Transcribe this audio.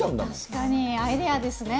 確かに、アイデアですね。